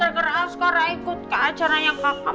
gara gara askara ikut ke ajaran yang kakak